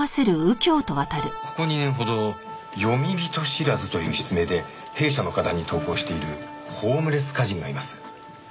ここ２年ほど「詠み人知らず」という筆名で弊社の歌壇に投稿しているホームレス歌人がいます。